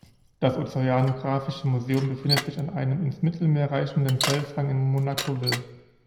Das Ozeanographische Museum befindet sich an einem ins Mittelmeer reichenden Felshang in Monaco-Ville.